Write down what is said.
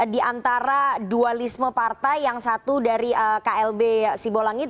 di antara dualisme partai yang satu dari klb sibolangit